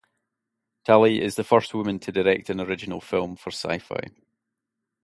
Talley is the first woman to direct an original film for Syfy.